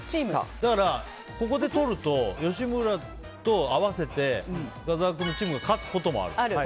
だから、ここでとると吉村と合わせて深澤君のチームが勝つこともある。